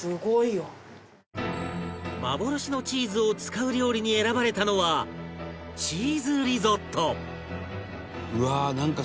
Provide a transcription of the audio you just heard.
幻のチーズを使う料理に選ばれたのはチーズリゾット